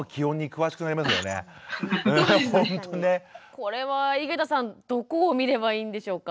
これは井桁さんどこを見ればいいんでしょうか？